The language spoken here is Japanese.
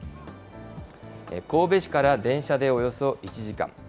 神戸市から電車でおよそ１時間。